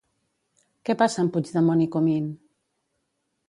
Què passa amb Puigdemont i Comín?